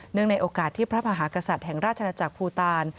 เนื่องในโอกาสที่พระพระหากษัตริย์แห่งราชนจักรภูตาล